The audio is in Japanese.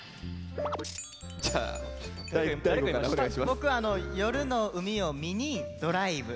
僕「夜の海を見にドライブ」。